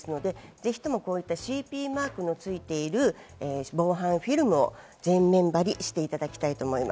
是非ともＣＰマークのついている、防犯フィルムの全面貼りしていただきたいと思います。